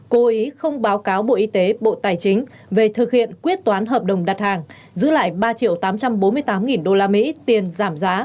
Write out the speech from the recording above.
cố ý không báo cáo bộ y tế bộ tài chính về thực hiện quyết toán hợp đồng đặt hàng giữ lại ba tám trăm bốn mươi tám usd tiền giảm giá